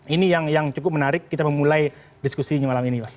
ini yang cukup menarik kita memulai diskusinya malam ini mas